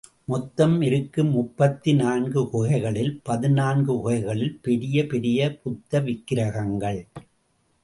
மொத்தம் இருக்கும் முப்பத்து நான்கு குகைகளில் பதினான்கு குகைகளில் பெரிய பெரிய புத்த விக்கிரகங்கள்.